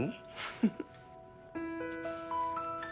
フフッ。